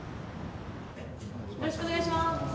よろしくお願いします。